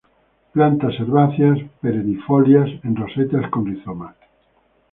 Plantas herbáceas perennifolias en rosetas con rizomas.